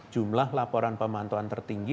jumlah laporan pemantauan tertinggi